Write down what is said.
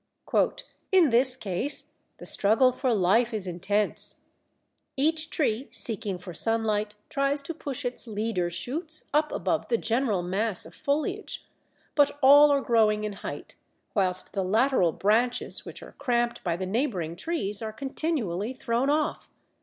"In this case, the struggle for life is intense: each tree seeking for sunlight tries to push its leader shoots up above the general mass of foliage; but all are growing in height, whilst the lateral branches which are cramped by the neighbouring trees are continually thrown off.